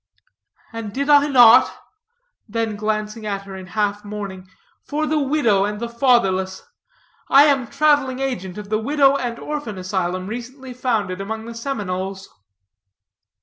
"And did I not " then glancing at her half mourning, "for the widow and the fatherless. I am traveling agent of the Widow and Orphan Asylum, recently founded among the Seminoles."